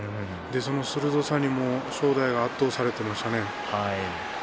鋭さに正代が圧倒されていましたね。